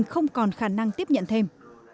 không còn khả năng tiếp nhận thêm